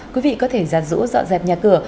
quý vị có thể giả dũ dọn dẹp nhà cửa